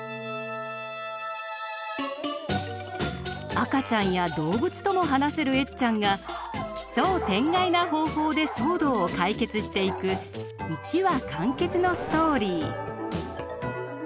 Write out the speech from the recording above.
赤ちゃんや動物とも話せるエッちゃんが奇想天外な方法で騒動を解決していく一話完結のストーリー。